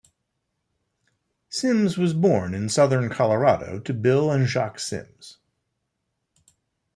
Simms was born in southern Colorado to Bill and Jacque Simms.